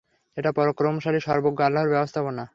এটা পরাক্রমশালী সর্বজ্ঞ আল্লাহর ব্যবস্থাপনা।